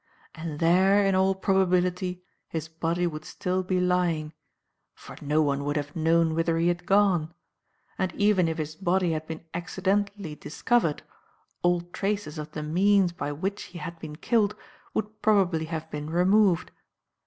And there, in all probability, his body would still be lying, for no one would have known whither he had gone; and even if his body had been accidentally discovered, all traces of the means by which he had been killed would probably have been removed.